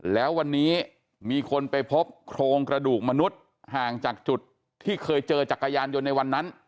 แล้ววันนี้มีคนไปพบโครงกระดูกมนุษย์ห่างจากจุดที่เคยเจอจักรยานยนต์ในวันนั้น